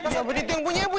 sabet itu yang punya ibu